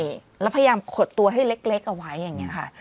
ใช่แล้วพยายามขดตัวให้เล็กเอาไว้อย่างนี้ค่ะ